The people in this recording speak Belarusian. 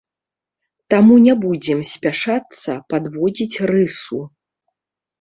Таму не будзем спяшацца падводзіць рысу.